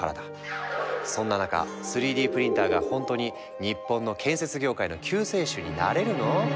そんな中３Ｄプリンターがほんとに日本の建設業界の救世主になれるの？